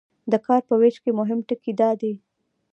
د کار په ویش کې مهم ټکي دا دي.